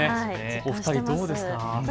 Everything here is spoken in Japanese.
お二人、どうですか。